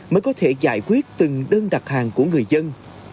mới có thể giải quyết từng đơn đặt hàng của người dân